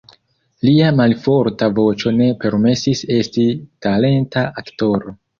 Lia malforta voĉo ne permesis esti talenta aktoro.